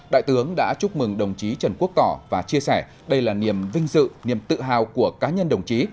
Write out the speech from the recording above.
đại tướng đã chúc mừng đồng chí trần quốc tỏ và chia sẻ đây là niềm vinh dự niềm tự hào của cá nhân đồng chí